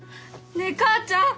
ねえ母ちゃん！